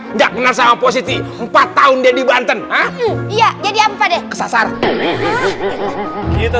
enggak enggak sama posisi empat tahun jadi banten iya jadi apa deh sasar kita